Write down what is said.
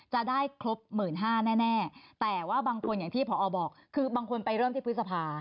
จะได้ครบ๑๕๐๐แน่แต่ว่าบางคนอย่างที่พอบอกคือบางคนไปเริ่มที่พฤษภา